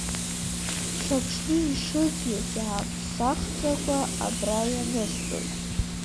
Мшаҽны ишызҩыз иаамԥсахӡакәа абра ианысҵоит!